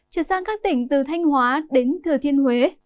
chuyển sang các tỉnh từ thanh hóa đến thừa thiên huế